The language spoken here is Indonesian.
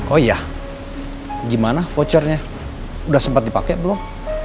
oh iya gimana vouchernya udah sempat dipakai belum